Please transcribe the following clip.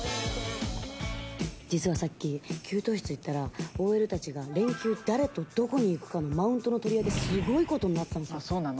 実はさっき、給湯室行ったら、ＯＬたちが連休、誰とどこに行くかのマウントの取り合いで、そうなの？